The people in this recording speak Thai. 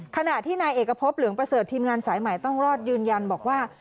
ขณะที่นายเอกพบเหลืองประเสริฐทีมงานสายใหม่ต้องรอดยืนยันบอกว่า